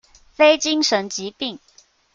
非精神疾病